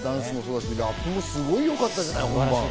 ラップもすごいよかったよね、本番。